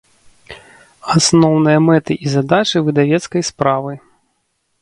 Асноўныя мэты i задачы выдавецкай справы